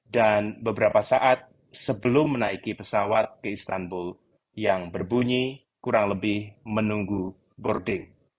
dan beberapa saat sebelum menaiki pesawat ke istanbul yang berbunyi kurang lebih menunggu boarding